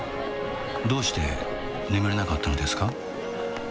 どうして眠れなかったのですか？